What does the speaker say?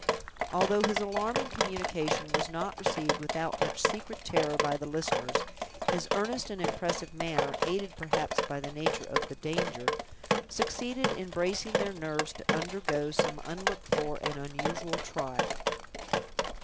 Although his alarming communication was not received without much secret terror by the listeners, his earnest and impressive manner, aided perhaps by the nature of the danger, succeeded in bracing their nerves to undergo some unlooked for and unusual trial.